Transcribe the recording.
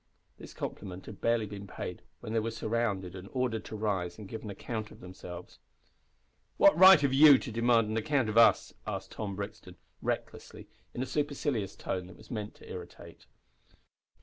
This compliment had barely been paid when they were surrounded and ordered to rise and give an account of themselves. "What right have you to demand an account of us?" asked Tom Brixton, recklessly, in a supercilious tone that was meant to irritate.